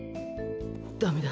「ダメだ！